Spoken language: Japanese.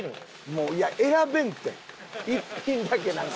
もういや選べんって１品だけなんて。